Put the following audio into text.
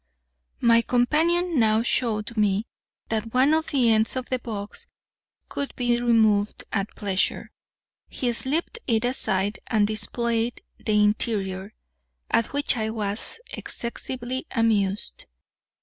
My companion now showed me that one of the ends of the box could be removed at pleasure. He slipped it aside and displayed the interior, at which I was excessively amused.